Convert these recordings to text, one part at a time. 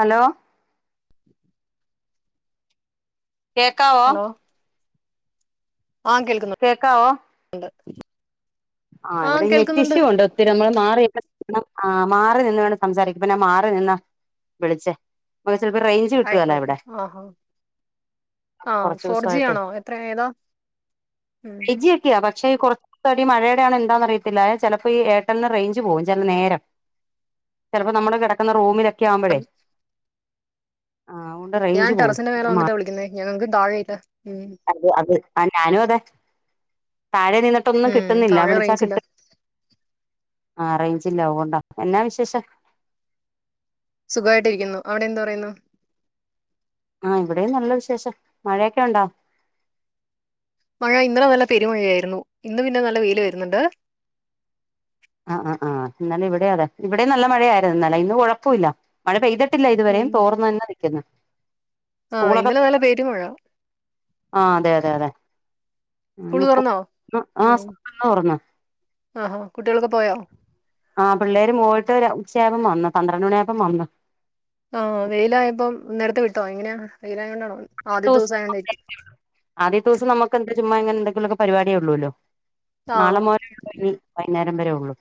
Hello? കേക്കാവോ? Hello ആഹ് കേക്കാവോ കേൾക്കുന്നുണ്ട്. ആഹ് ഇവിടെ നെറ്റീഷ്യൂ ഒണ്ട്. നമ്മൾ മാറി നിന്ന് വേണം സംസാരിക്കാൻ പ്പൊ ഞാ മാറി നിന്ന വിളിച്ചേ ഇപ്പോ റേഞ്ച് കിട്ടുകേല ആയ്ക്കോട്ടെ ഇവിടെ ആഹാ. ആഹ് കുറച്ച് ഫോർ ജി ദിവസമായിട്ടെ ആണോ എത്ര ഏതാ ഉം. ഫൈവ് ജി പക്ഷെ കൊറച്ച് [unintelligible] മഴേ എന്താന്ന് അറയത്തില്ല ചെലപ്പോ ഈ ഏർടെല്ല്ന് റേഞ്ച് പോകും ചെല നേരം. ചെലപ്പോ നമ്മള് കെടക്ക്ന്ന റൂമിലൊക്കെ ആവുമ്പഴേ ആഹ് ഞാൻ ടെറസിന്റെ മേലെ വന്നിട്ടാ വിളിക്കുന്നേ ഞങ്ങക്കും താഴെയില്ല ഉം. ആഹ് ഞാനും അതെ താഴെ നിന്നിട്ടൊന്നും ഉം കിട്ട്ന്നില്ല താഴെ റേഞ്ചില്ല ആഹ് അറേഞ്ചില്ല അയ് ഓണ്ടാ, എന്നാ വിശേഷം? സുഖവായിട്ടിരിക്കുന്നു. അവ്ടെന്ത് പറയ്ന്നു? ആഹ് ഇവ്ടേം നല്ല വിശേഷം, മഴയൊക്കെയൊണ്ടോ? മഴ ഇന്നലെ നല്ല പെരുമഴയായിരുന്നു. ഇന്ന് പിന്നെ നല്ല വെയില് വെരുന്നുണ്ട്. ആ ഇന്നലെ ഇവിടേം അതെ ഇവിടേം നല്ല മഴയായിരുന്നു ഇന്നലെ ഇന്ന് കൊഴപ്പോല്ല. മഴ പെയ്തിട്ടില്ല ഉം ഇതുവരെയും തോർന്നു തന്നെ നിക്കുന്നു. ആഹ് ഇന്നലെ നല്ല പെരുംമഴ. ആ അതെ അതെ അതെ ആ സ്കൂള് ഇന്ന് സ്കൂ തുറന്നോ ആ സ്കള്ന്ന് തോർന്നു ആഹ് കുട്ട്യാളൊക്കെ പോയാ ആ പിള്ളേര് പോയിട്ട് ഒരു ഉച്ചയാകുമ്പം വന്നു പന്ത്രണ്ട് മണി ആകുമ്പം വന്നു. ആ വെയിലായപ്പം നേരത്തെ വിട്ടോ എങ്ങനെയാ വെയിലായേണ്ടാണോ. [inaudible] ആദ്യത്തെ ദിവസം നമുക്ക് എന്താ ചുമ്മാങ്ങന എന്തെങ്കിലും ഒക്കെ പരിപാടി ഉള്ളൂല്ലോ നാളെ ആഹ് മൊതല് [unintelligible] വൈന്നേരം വരെേ ഒള്ളൂ.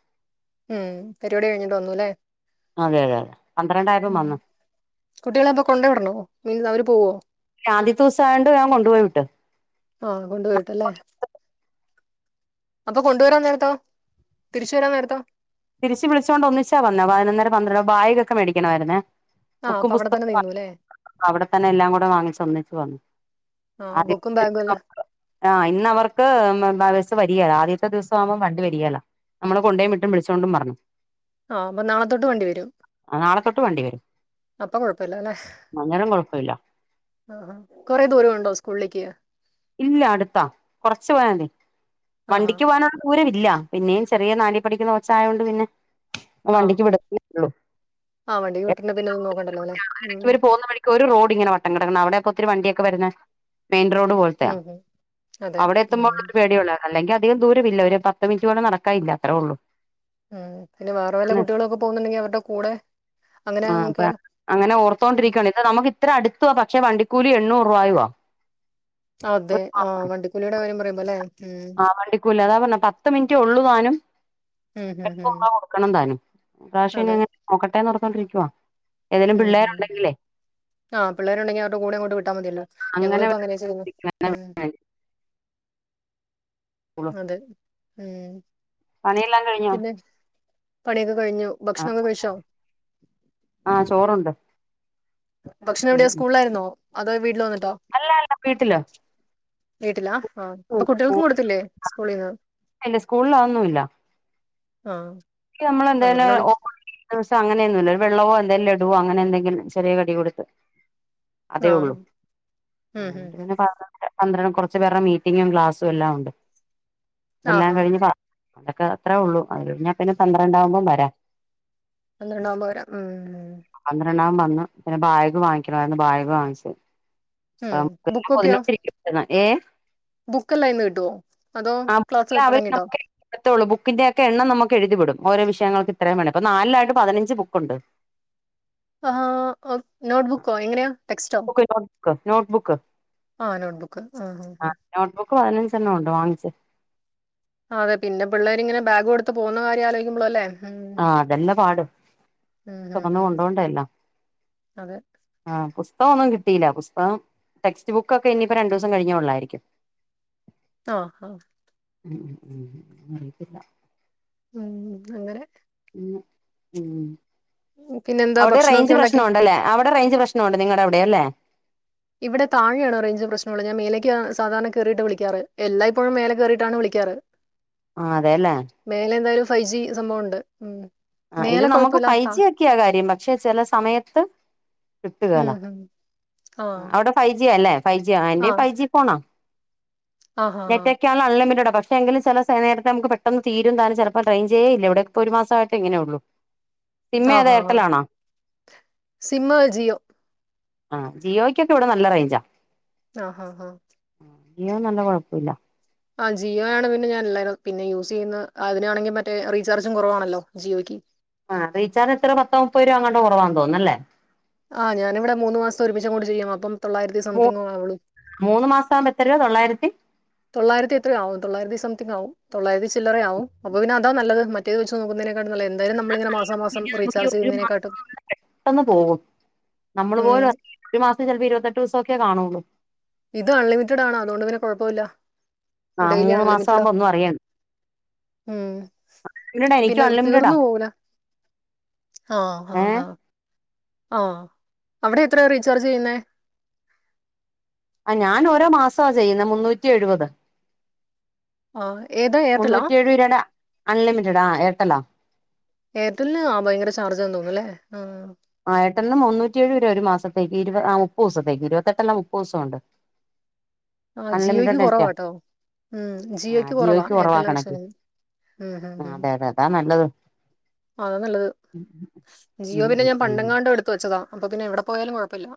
ഉം പരിപാടി കഴിഞ്ഞിട്ട് വന്നുല്ലേ അതെ അതെ അതെ പന്ത്രണ്ടായപ്പം ഉം വന്നു. കുട്ടികളെ അപ്പൊ കൊണ്ട് വിടണോ ഉം അവര് പോവോ. ആദ്യത്തെ ദിവസായോണ്ട് ഞൻ കൊണ്ടു പോയി വിട്ട്. ആഹ് കൊണ്ടു പോയി വിട്ട് അല്ലേ. അപ്പം കൊണ്ടുവരാൻ നേരത്തോ തിരിച്ച് വരാൻ നേരത്തോ. തിരിച്ച് വിളിച്ചോണ്ട് ഒന്നിച്ചാ വന്നെ പതിനൊന്നര പന്ത്രണ്ടര ബാഗ് ഒക്കെ മേടിക്കണമായിരുന്നേ. ആഹ് ബുക്കും അപ്പൊ അവിടെ പുസ്തക തന്നെ വാങ്ങി നിന്നുല്ലേ അ-അവിടെ തന്നെ എല്ലാം കൂടെ വാങ്ങിചൊന്നിച്ചു വന്നു ആഹ് ബുക്കും ബാഗും എല്ല ആ ഇന്ന് അവർക്ക് ബസ്സ് വരികെല ആദ്യത്തെ ദിവസം ആവുമ്പം വണ്ടി വര്യല. നമ്മള് കൊണ്ടോയിം വിട്ടും വിളിച്ചോണ്ടും വരണം ആഹ് അപ്പൊ നാളതൊട്ട് വണ്ടി വരും. തൊട്ട് വണ്ടി വരും അപ്പം കൊഴപ്പല്ലാലെല്ലേ അന്നേരം കുഴപ്പമില്ല ആ കൊറെ ദൂരണ്ടോ സ്കൂളിലേക്ക്. ഇല്ല അടുത്താ കൊറച്ച് പോയാമതി ആഹാ വണ്ടിക്ക് പോവാനുള്ള ദൂരമില്ല പിന്നെയും ചെറിയ നാലി പഠിക്കുന്ന കൊച്ചായയത് കൊണ്ട് പിന്നെ ആഹ് വണ്ടിക്ക് വിട-ള്ളു ആഹ് വണ്ടിക്ക് [unintelligible] വിട്ടിട്ട് പിന്നെ ഒന്നും നോക്കണ്ടല്ലോ അല്ലെ ഉം എടക്ക് ഇവര് പോവുന്ന വഴി ഒരു റോഡ് ഇങ്ങനെ വട്ടം കിടക്ക്‌ന്ന അവ്‌ടെക്കെ ഒത്തിരി വണ്ടിയൊക്കെ വെരുന്ന മൈൻ റോഡ് പോലെ ത്തെ ഉം ഉം അതെ അവിടെ ഉം എത്തുമ്പോളുള്ള ഒരു പേടിയുള്ള അല്ലെങ്കി അധികം ദൂരമില്ല ഒരു പത്ത് മിനിറ്റ് കൂടെ നടക്കാൻ ഇല്ല അത്രേ ഒള്ളൂ. ആ പിന്നെ വേറെ വല്ല കുട്ടികളൊക്കെ പോകുന്നുണ്ടെങ്കി അവരുടെ കൂടെ അങ്ങനെ ആ ഇപ്പ നോക്കിയാലോ അങ്ങനെ ഉം ഓർത്തോണ്ടിരിക്കാണ് ഇത് നമുക്ക് ഇത്ര അടുത്തുവാ പക്ഷെ വണ്ടിക്കൂലി എണ്ണൂറ് രൂപായുവാ അതെ ആഹ് വണ്ടിക്കൂലിയുടെ കാര്യം പറയുമ്പോ ല്ലേ ആ വണ്ടിക്കൂലി അതാ പറഞ്ഞെ പത്ത് മിനിറ്റ് ഉള്ളു താനും ഉം ഉം എപ്പ ഉം വാടക കൊടുക്കണം താനും ഇപ്രാവശ്യ ഇനി അതെ അങ്ങനെ നോക്കട്ടേന്ന് പറഞ്ഞോണ്ടിരിക്കുവാ ഏതേലും പിള്ളേര് ഉണ്ടെങ്കിലേ. ആ പിള്ളേരുണ്ടെങ്കി അവരുടെ കൂടെ അങ്ങോട്ട് വിട്ടാ മതില്ലോ ഞങ്ങളും ഇപ്പം അങ്ങനെ ചെയ്യ്ന്നത് ഉം പറ്റുള്ളൂ അതെ ഉം പണിയെല്ലാം കഴിഞ്ഞോ പിന്നെ പണിയൊക്കെ കഴിഞ്ഞു ആഹ് ഭക്ഷണംക്കെ കഴിച്ചോ ആഹ് ചോറുണ്ടു ഭക്ഷണം എവിടേ സ്കൂള്ല് ആയിരുന്നോ അതോ വീട്ടിൽ വന്നിട്ടോ അല്ല അല്ല വീട്ടിലാ വീട്ടിലാ ആഹ് അപ്പൊ കുട്ടികൾക്കും കൊടുത്തില്ലേ സ്കൂളീന്ന് ഇല്ല സ്കൂളിൽ ആഹ് ക്ക് നമ്മളെന്തായാലും ഓ ദിവസം അങ്ങനൊന്നുംല്ല ഒരു വെള്ളവോ എന്തേലും ലഡുവോ അങ്ങനെ എന്തെങ്കിലും ചെറിയ കടി കൊടുത്ത് അതേ ആ ഉള്ളൂ ആ ഉം ഉം എന്നിട്ട് ഉം പിന്നെ പാ പന്ത്രണ്ടര കുറച്ച് പേരുടെ മീറ്റിങ്ങും ക്ലാസ്സും എല്ലാം ഉണ്ട് അതെല്ലാം ആഹാ കഴിഞ്ഞ്. പാ അതൊക്കെ അത്രേ ഉള്ളൂ അത് കഴിഞാ പിന്നെ പന്ത്രണ്ടാവുമ്പം വരാം. പന്ത്രണ്ടാവുമ്പം വരാ ഉം പന്ത്രണ്ടാകുമ്പം വന്ന് പിന്നെ ബാഗ് വാങ്ങിക്കണായിരുന്നു പിന്നെ ബാഗ് വാങ്ങിച്ച് ഉം. ആൻ ബുക്കൊക്കെയോ പൊതിനോട്ടിരിക്ക ബുക്കെല്ലാം ഇന്ന് കിട്ടുവോ അതോ ക്ലാസ് തുടങ്ങിട്ടോ? ഇടുത്തുള്ളു ബുക്കിന്റെ ഒക്കെ എണ്ണം നമുക്ക് എഴുതി വിടും ഓരോ വിഷയൾക്ക് ഇത്രയും വേണം അപ്പോ നാലായിട്ട് പതിനഞ്ച് ബുക്ക്ണ്ട്. ആ നോട്ട്ബുക്കോ എങ്ങനെയോ ടെക്സ്റ്റോ ബുക്ക് നോട്ട്ബുക്ക് ആ നോട്ട് ബുക്ക് ആ നോട്ട്ബുക്ക് പതിനഞ്ച്എണ്ണം ഉണ്ട് വാങ്ങിച്ചത്. അതെ പിന്നെ പിള്ളേരിങ്ങനെ ബാഗ്ടുത്ത് പോക കാര്യം ആലോക്കിമ്പോ അല്ലേ ഉം ആഹ അതെല്ലാം പാട ഉം ഉം ചുമന്ന ഉം കൊണ്ടോണ്ട എല്ലാം അതെ ആഹ് പുസ്തകം ഒന്നും കിട്ടിയില്ല. ടെക്സ്റ്റ് ബുക്ക് ഒക്കെ ഇനിയിപ്പോ രണ്ടു ദിവസം കഴിഞ്ഞള്ളായിരിക്കും. ഹ അറിയിത്തില്ല അങ്ങനെ പിന്നെന്താ അവിടെ ഭക്ഷണൊക്കെ റേഞ്ച് ഉണ്ടാക്കി പ്രശ്നംണ്ടല്ലേ? റഞ്ച് പ്രശ്നംണ്ട് നിങ്ങള അവിടെ അല്ലേ ഇവിടെ താഴെയാണ് റഞ്ച്ശ്നമള്ള ഞാ മേലേ സാധാരണ കയറിട്ട് വിളിക്കാറ് എല്ലായ്പപ്പോഴും മേല കയറിയിട്ടാണ് വിളിക്കാറ്. ആ അതെല്ലേ മേലെ എന്തായാലും ഫൈവ് ജി സംഭവംണ്ട് ആ ഇത് നമുക്ക് ഫൈവ് ജിക്ക കാര്യം പക്ഷെ ചില സമയത്ത് ഉം കിട്ടുല ഉം. ആ. ആ. എൻ്റെ ഫൈവ്ജി ഫോൺ ആണ് ആഹാഹാ. അൺലിറ്റഡ് പക്ഷെ എങ്കിലുംില നേരത്തെ നമുക്ക് പെട്ടന്ന് തീും താലും ചില ട്രെയി ചെയയില്ല ഇവിടെ ഒരു മാസമായിട്ട് എങ്ങനെ ഉള്ളൂ സിം ആഹ ഏതാ എയർടെലാണോ സിം ജിയോ ആ ജിയോക്കെ ഇവിടെ നല്ല റേഞ്ചാ ആഹ ജിയോ നല്ല കുഴപ്പമില്ല ആഹ ജിയോയണ് പിന്നെ ഞാൻ പിന്നെ യൂസ് ചെയ്യുന്ന അതിനാണെങ്കിൽ മറ്റേ റീചാർജും കുറവാണല്ലോ ജിയോയ്ക്ക് ആ റീചാർ്ജ് പത്ത മുപ്പത് രൂപ അങ്ങോട്ട്റവാന്ന് തോന്നുന്നുല്ലേ ആഹ ഞാന ഇവിടെ മൂന്ന് മാസം ഒരുമിച്ച കൊണ്ട് ചെയ്യാം അപ്പം തൊള്ളായിരത്തി മൂ സംതിങ്ങങ് ആുള്ളൂ മൂന്ന് മാസം ആകുമ്പോ എത്ര രൂപ തൊള്ളായിരത്തി തൊള്ളായിരത്തി എത്രയാവും തൊള്ളായിരത്തി സംതിങ് ആവും തൊള്ളരത്തി ചില്ലറ ആവും. അപ്പൊ പിന്നെ അതാ നത് മറ്റേ നോക്കുന്നതിനക്ക എന്താലും നമ്മള ഇങ്ങെ നമുക്ക് ഈ മാസംറീചാർജ് ഒരു മാസം ചെയ്യുന്നതിനക്കാട്ടും പെട്ടെന്ന് നമ്മള് ഉം പോലെ ഒരു മാസം ചിലപ്പോ ഇരുപത്തെട്ട് ദിവസകാണുള്ളൂ ഇത് അൺലിമിറ്റഡ് ആണ്. അതുകൊണ്ട് പിന്നെ കുഴപ്പമില്ല ആ ഡെയിലി മൂന്ന് മാസം അൺലിമിറ്റഡാ ആകുമ്പോ ഒന്നും അറിയണ്ട അൺലിമിറ്റഡാ പിന്നെ എനിക്കും അൺലിമിറ്റഡാ തീർന്നു പോകുല ആഹ ഏഹ് അവിടെ എത്രയ റീചാർജ് ചെയ്യുന്നത്? ആ ഞൻ ഓരോ മാസമാ ചെയ്യുന്നത് മുന്നൂറ്റി എഴുപത് ആ ഏതാ എയർടെലാ മുന്നൂറ്റി ഏഴു രുപായുടെ അൺലിമിറ്റഡ് ആ എയർടെലാ എയർടെല്ലന് ആ ഭയങ്കര ചാർജ്ന്ന് തോന്നുംല്ലേ? ആയിട്ടന്ന് മുന്നൂറ്റിേഏഴ് വരെ ഒരു മാസത്തേക്ക് ഇരുപ ആ മുപ്പ ദിവസത്തേക്ക് ഇരുപത്തെട്ടല്ലാം മുപ്പ ദിവസംുണ്ട് ആ ജിയോയ്ക്ക് കുറവാട്ടോ ഉം ജിയോയ്ക്ക് കുറവാ എയർടെൽ വെച്ച ആ അതെ അതെ അതാ നല്ലത് അതാ നല്ലത് ജിയോ ഉം പിന്നെ ഉം ഞാൻ ഉം പണ്ടങ്കാണ്ടോ എടുത്ത വെച്ചതാണ് അപ്പൊ പിന്നെ എവിടെ പോയാലും കുഴപ്പമില്ല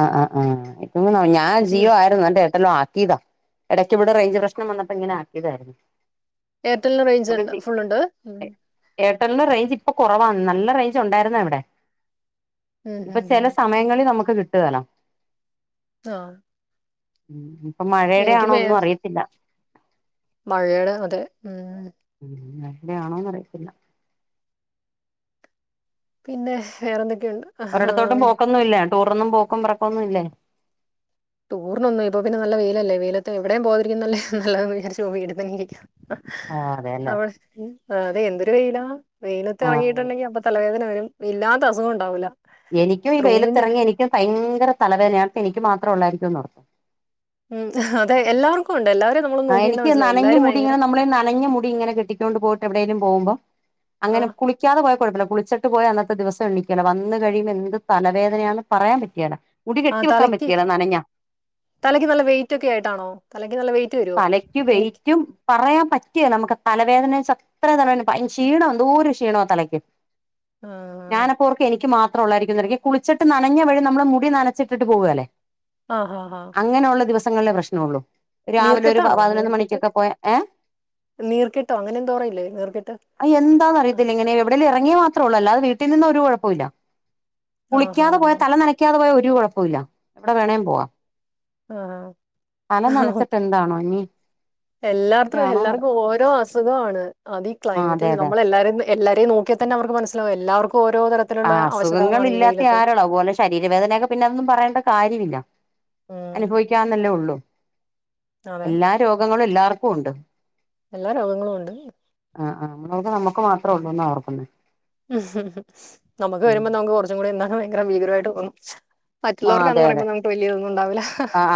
ആ് ആ ആണോ ഞാൻ ജിയോ ആയിരുന്നു എന്റെ എയർടെൽ ആക്കീതാ ഇടയ്ക്ക് ഇവിടെ റഞ്ച് പ്രശ്ം വന്നപ്പോ ഇങ്ങനെ ആക്കിയതായിരുന്നു എയർടെലിന് റേഞ്ച്ണ്ട് ഫുൾ ഉണ്ട് എയർടെലിും റേഞ്ച് ഇപ്പൊ കുറവാാണ് നല്ല റേഞ്ച് ഉണ്ടായിുന്നോ ഇവിടെ ഉം ഇപ്പൊ ഉം ചില ഉം സമയങ്ങളിൽ നമുക്ക് കിട്ടുകേല ആഹ് ഉ ഇപ്പൊ മഴയുടെയാണോ മേ ഒന്നും അറിയത്തില്ല മഴയുടെ അതെ ഉം മഴെടെ ആണോന്ന് അറിയത്തില്ല പിന്നെ വേറെന്തൊക്കെയ ഉണ്ട് ഒരിടത്തോട്ടും പോക്കൊന്നും ഇല്ലേ ടൂറൊന്നും പോക്കും പെറക്കൊന്നുമില്ലേ ടൂറിനന്ന ഇപ്പ പിന്നെ നല്ല വെയിലല്ലേ വെയിലത്ത് എവിടെ പോകാതിരിക്കുന്നല്ലേ നല്ലതന്ന് വിചാരിച്ച് വീട്ടിൽ തന്നെ ഇരിക്കാം ആഹ് അതെല്ലേ അടെ അതെ എന്തൊരു വെയിലാ വെയിലത്തി ആഹ് ഇറങ്ങിട്ടുണ്ടെങ്കി അപ്പ തലവേദന വരും ഇല്ലാത്ത അസുഖം ഉണ്ടാവൂല്ല എനിക്കും ഈ വെയിലത്തിറങ്ങിയ എനിക്കും ഭയങ്കര തലവേദനയാ ഞാനോർത്ത് എനിക്ക് മാത്രം ഉള്ളായിരിക്കും ഉം അതെ എല്ലാവർക്കും ഉണ്ട് എല്ലാവർക്കും ആ എനിക്ക് നനഞ്ഞ മുടി ഇങ്ങനെ നമ്മളെ നനഞ്ഞ മുടി ഇങ്ങനെ കെട്ടിക്കൊണ്ട് പോയിട്ട് എവിടെേലും പോകുമ്പോ ആ അങ്ങനെ കുളി ളിക്കാതെ പോയ കൊഴപ്പമില്ല കുളിച്ചിട്ട് പോയ അന്നത്തെ ദിവസം എണി ക്കെല വന്നു കഴിയുമ്പോ എന്ത് തലവേദനയന്ന് പറയാൻ പറ്റിയല്ല ആ തലക്ക് തലയ്ക്ക് നല്ല വെയിറ്റ് ഒക്കെ ആയിട്ടാണോ തലയ്ക്ക് നല്ല വെയിറ്റ് വരും തലയ്ക്കും വെയിറ്റും പറയാൻ പറ്റുകേല നമുക്ക് തലവേദന അത്ര തലവേദന ക്ഷീണോ എന്തോര ക്ഷീണ തലയ്ക്ക് ആ ഞാനപ്പഓർക്കും എനിക്ക് മാത്രം ഉള്ളായിരിക്കുന്നു കുളിച്ചിട്ട് നനഞ്ഞ വഴി നമ്മൾ മുടി നനച്ചിട്ട് പോകുക അല്ലേ ആ ആഹ ആഹ അങ്ങനെയുള്ളള്ള ദിവസങ്ങളിലെ പ്രശ്നമള്ളൂ രാവിലെ ഒരു നീർക്കെട്ടാണോ പതിനൊന്ന് മണിക്കൊക്കെ പോയാ ഏ നീർ കെട്ടോ അങ്ങനെ എന്തോപറയില്ലേ നീർ കെട്ട് ഇവിട ഇറങ്ങി മാത്രേള്ളൂ അല്ലാെ വീട്ടിൽ നിന്നും കുഴപ്പില്ല കുളിക്കാതെ ആഹ് ഹാ പോയ തല ന ക്കാതെ പോയ ഒരു കുഴപ്പമില്ല എവിടെ വേണേം പോകാം ആഹ തല നനച്ചിട്ടെന്താണോ ഇനി എല്ലാർത്തും ആണോ എല്ലാവർക്കും ഓരോ അസുഖമാണ് അത് ഈ ആഹ് ക്ലൈമറ്റ അതെ അതെ നമ്മള എല്ലാരും എല്ലാരും നോക്കാ തന്നെ അവർക്ക് മനസിലാവും എല്ലാവർക്കും ഓരോ തര- ആ അസുഖങ്ങൾ ഇല്ലാത്ത ആരോളോ അതുപോലെ ശരീരവേദനയൊക്കെ പിന്നെതൊന്നും പറയേണ്ട കാര്യമില്ല ഉം അനുഭവിക്കാന്നല്ലേ ഉള്ളു അതെ എല്ലാ രോഗങ്ങളും എല്ലാവർക്കും ഉണ്ട് എല്ലാ രോഗങ്ങളും ഉണ്ട് ആ ആ നമ്മൾ ഓർക്കുംനമുക്ക് മാത്രേ ഉള്ളൂ ന്നഓർക്കുന്നേ ഉം നമുക്ക് വരുമ്പോ നമുക്ക് കുറച്ചും കൂടി എന്താഭയങ്കര ഭീകരമായിട്ട് തോന്നും ആഹ് മറ്റുള്ളവർക്കാന്ന് പറയുമ്പോൾ നമുക്ക് വലിയതൊന്നും ഉണ്ടാവില്ല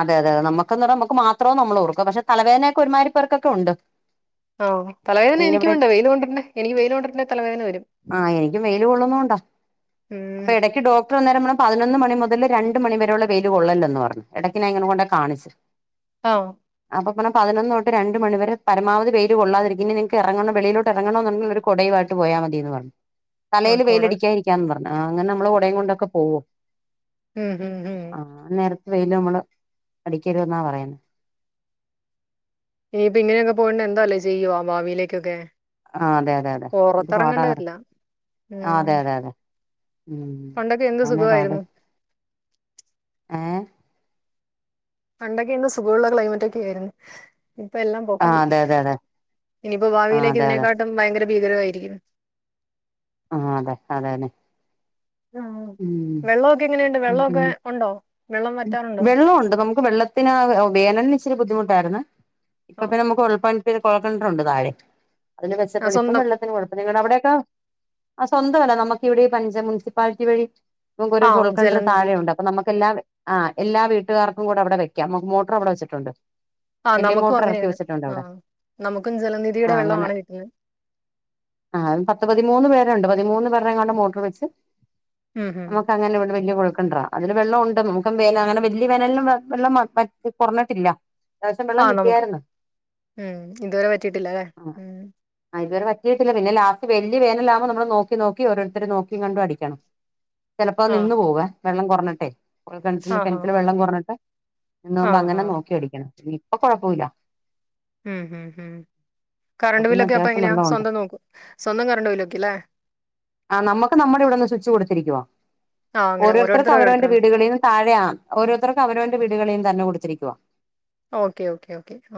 അതെയതെ നമുക്കന്ന് പറ നമുക്ക് മാത്ര നമ്മൾ ഓർക്കും പക്ഷ തലവേദനക്കെ ഒരുമാതിരി പേർക്കൊക്കെ ഉണ്ട് ആഹ തല വദന എനിക്കും എവിടെ ഉണ്ട് വെയിൽ കൊണ്ടിട്ട കെ എനിക്ക് വെയിൽ കൊണ്ടിട്ടുണ്ടേ തലവേദന വരും ആഹ എനിക്കും വെയില് കൊള്ളു ണ്ട അപ്പൊ ഉം എട ഡോക്ടർ വന്നേരം പതിനൊന്ന് മണി മുതല് രണ്ട് മണിവരെയള്ള വെയില് കൊള്ളല്ലെന്ന് പറഞ്ഞു എടക്ക് ഞാൻ ഇങ്ങനെ കൊണ്ടാ കാണിച്ച് ട്ടാഹോ അപ്പൊ പറഞ്ഞ് പതിനൊന്ന് തൊട്ട് മണി തൊട്ട് രണ്ട മണിവരെ പരമാവധി വെയില് കൊള്ളാതിരിക്ക ഇനി നിങ്ങക്ക് ഇറങ്ങണ വെളിോട്ട ഇറങ്ങണോ എന്നുള്ള ഒരു കൊടയുവായിട്ട് പോയാ മതിയെന്ന് പറഞ്ഞു ആഹ് തലയില് കൊട വെയിലടിക്കാതിരിക്കന്ന് പറഞ്ഞു അങ്ങനെ നമ്മള് കുടയും കൊണ്ടൊക്കെ പോകോ ഉം ഉം ഉം ആഹ് നേരത്തെ വെയില് നമ്മള് അടിക്കരുതെന്നാ പറയുന്നെ ഇനിയിപ്പൊ ഇങ്ങനെയൊക്കെ പോയിണ്ട് എന്താല്ലേ ചെയ്യോ ഭാവിയിലേക്കൊക്കെ ആ അതെ അതെ അതെ എന്ത് പാടാ പൊറത്തിറങ്ങേണ്ടി വരില്ല ആ ഉം അതെ അതെ അതെ ഉം പണ്ടൊക്കെ എന്ത് അതാന്നെ സുഖവാ യിരുന്നു ഏഹ് പണ്ടൊക്കെ എന്ത് സുഖമുള്ളൊരു ക്ലൈമറ്റ് ഒക്കെ ആയിരുന്നു ഇപ്പ എല്ലാം ആ പോക്കായി അതെ അതെ അതെ ഇനിയിപ്പൊ ആ ഭാവിയിലേക്ക് അതെ അതെ ഇതിനെക്കാട്ടും ഭയങ്കര ഭീകരമായിരിക്ക്ണ് ആഹ് അതെ അതന്നേ ആഹ് ഉം വെള്ളമൊക്കെ എങ്ങനെയുണ്ട് ഉം വെള്ളമൊക്കെ ഉണ്ടോ വെള്ളം വറ്റാറുണ്ടോ വെള്ളോണ്ട് നമുക്ക് വെള്ള ത്തിന് വേനലിന് ഇച്ചിരി ബുദ്ധിമുട്ടായിരുന്നു ഇപ്പൊ ആ ഇപ്പ നമുക്ക് ഉൾപ്പ കൊഴൽ കിണറുണ്ട് താഴെ അതില് ആ, വെച്ചിട്ടുണ്ട് ഇപ്പം സ്വന്തം വെള്ളത്തിന്കൊ നിങ്ങള അവിടേക്ക ആഹ് സ്വന്തമല്ലെ നമുക്ക് ഇവിടെ ഈ പഞ്ച മുൻസിപ്പാലിറ്റി വഴി ഇപ്പം ഒരു ആഹ് ഫുൾക്കണ്ടറ് ജലനിധി താഴെ ഉണ്ട് അപ്പൊ നമുക്ക് എല്ലാ ആഹ് എല്ലാ വീട്ടുകാർക്കും കൂടെ അവിടെ വെക്കാം മോട്ടറ് അവിടെ വെ ച്ചിട്ടുണ്ട് ആഹ് നമുക്കും അങ്ങനേണ് ആഹ് നമുക്കും ജലനിധിയുടെ വെള്ളമാണ് കിട്ടുന്നെ ആഹ് പത്ത് പതിമൂന്ന് പേരുണ്ട് പതിമൂന്ന് പേരടെങ്ങാണ്ട് മോട്ടറ് വെച്ച് ഉം ഉം നമുക്കങ്ങനെ ഇവിടെ വല്ല്യ കൊഴൽക്കെണറാ അതില് വെള്ളം ഉണ്ട് നമുക്കും വേന അങ്ങനെ വല്ല്യ വേനലിലും വെള്ളം മ കൊറഞ്ഞിട്ടില്ല ആഹ് നമുക്ക് ഉം ഇതുവരെ വറ്റീ ട്ടില്ല അല്ലേ ഉം ആഹ് ഇതുവരെ വറ്റിയിട്ടില്ല പിന്നെ ലാസ്റ്റ് വല്യ വേനലാകുമ്പ നമ്മള് നോക്കി നോക്കി ഓരോരുത്തര് നോക്കീം കണ്ടും അടിക്കണം ചെലപ്പൊ ആഹ് നിന്ന് പോവുവേ വെള്ളം കൊറഞ്ഞിട്ടെ കൊഴൽകെണറ്റില് ആഹ് കെണറ്റിലെ ആഹ് വെള്ളം കൊറഞ്ഞിട്ട് നിന്ന് പോവുമ്പൊ ആഹ് അങ്ങനെ ആഹ് നോക്കി അടിക്കണം ഇനി ഇപ്പൊ കൊഴപ്പമില്ല ഉം ഹം ഹം ഇപ്പൊ കറണ്ട് പിന്നെ ബില്ലൊക്കെ അപ്പൊ അത്യാവശ്യം എങ്ങനെയാ വെള്ളമുണ്ട് സ്വന്തം നോക്കും സ്വന്തം കറണ്ട് ബില്ല് ഒക്കെ അല്ലേ ആ നമുക്ക് നമ്മുടെ ഇവിടെന്ന് സ്വിച്ച് കൊടുത്തിരിക്കുവാ ആ അങ്ങനെ ഓരോരുർക്ക് ഓരോരുത്തർ അവനോന്റെ ഓരോരുത്തരാ വീട് [unintelligible] താഴെയ ഓരോരുത്തർക്കും അവനോന്റെ വീടുകളീന്ന് തന്നെ കൊടുത്തിരിക്കുവാ ഓക്കെ ഓക്കേ ഓക്കെ